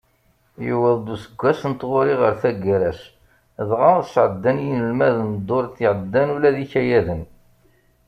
Yewweḍ-d useggas n tɣuri ɣer taggara-s, dɣa sεeddan yinelmaden ddurt iεeddan ula d ikayaden.